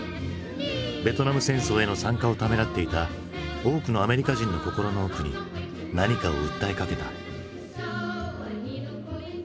ベトナム戦争への参加をためらっていた多くのアメリカ人の心の奥に何かを訴えかけた。